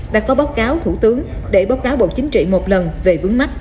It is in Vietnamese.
đã có báo cáo thủ tướng để báo cáo bộ chính trị một lần về vướng mắt